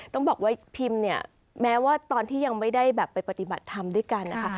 ต้องบอกว่าพิมเนี่ยแม้ว่าตอนที่ยังไม่ได้แบบไปปฏิบัติธรรมด้วยกันนะคะ